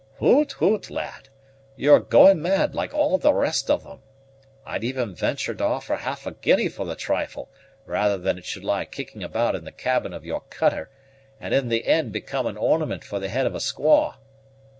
_" "Hoot, hoot, lad! you are going mad like all the rest of them. I'd even venture to offer half a guinea for the trifle rather than it should lie kicking about in the cabin of your cutter, and in the end become an ornament for the head of a squaw."